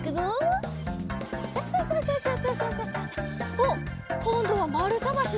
おっこんどはまるたばしだ。